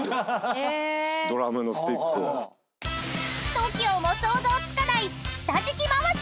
［ＴＯＫＩＯも想像つかない下敷き回し］